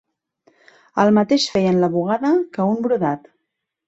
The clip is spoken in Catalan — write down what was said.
El mateix feien la bugada, que un brodat